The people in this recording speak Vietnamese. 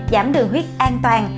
giảm đường huyết an toàn